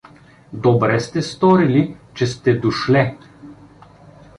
Добре сте сторили, че сте дошле.